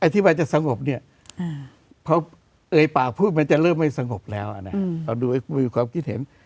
อย่างที่แม้ต้องสงบเนี่ย